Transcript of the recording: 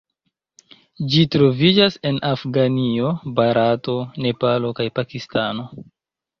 Ĝi troviĝas en Afganio, Barato, Nepalo kaj Pakistano.